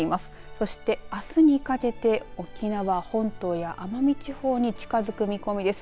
そして、あすにかけて沖縄本島や奄美地方に近づく見込みです。